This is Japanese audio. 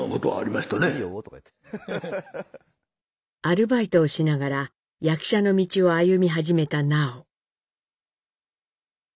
アルバイトをしながら役者の道を歩み始めた南朋。